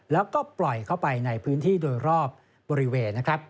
แล้วก็ปล่อยเข้าไปในพื้นที่โดยรอบบริเวณนะครับ